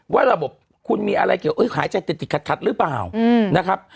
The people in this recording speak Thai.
ว่าระบบคุณมีอะไรเกี่ยวหายใจติดขัดหรือเปล่านะครับ